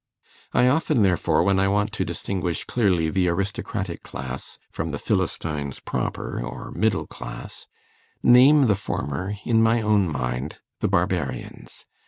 I often, therefore, when I want to distinguish clearly the aristocratic class from the Philistines proper, or middle class, name the former, in my own mind, The Barbarians.